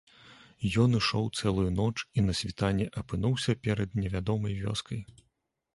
Ён ішоў цэлую ноч і на світанні апынуўся перад невядомай вёскай.